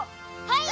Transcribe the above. はい！